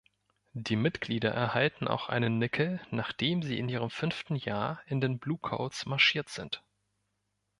Die Mitglieder erhalten auch einen Nickel, nachdem sie in ihrem fünften Jahr in den Bluecoats marschiert sind.